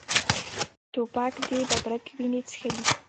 توپک د ببرک وینې څښلي.